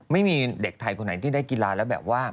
ไม่มีเด็กไทยคนไหนที่ได้กีฬาแล้วแบบว่า